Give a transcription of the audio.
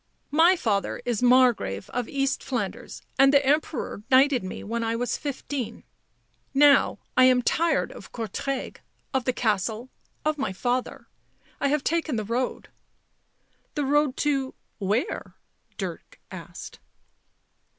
" My father is Margrave of East Flanders, and the Emperor knighted me when I was fifteen. Now I am tired of Courtrai, of the castle, of my father. I have taken the road." " The road to — where ?" Dirk asked.